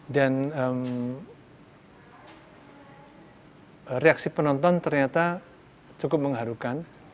dan reaksi penonton ternyata cukup mengharukan